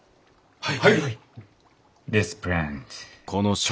はい！